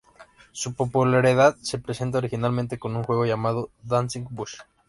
Su popularidad se presenta originalmente con un juego llamado "Dancing Bush".